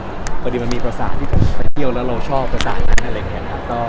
เฉียบมีประสาทที่จะไปเท่าว่าเราชอบประสาทนั้น